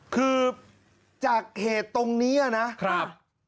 คือจากเหตุตรงนี้นะครับ